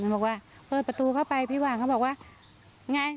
มันบอกว่าเปิดประตูเข้าไปพี่หว่างเขาบอกว่าไง